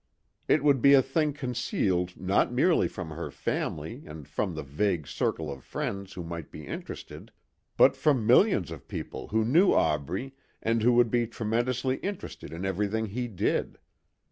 It would be a thing concealed not merely from her family and from the vague circle of friends who might be interested, but from millions of people who knew Aubrey and who would be tremendously interested in everything he did.